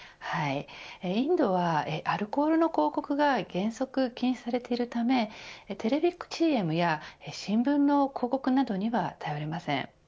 インドはアルコールの広告が原則禁止されているためテレビＣＭや新聞の広告などには頼れません。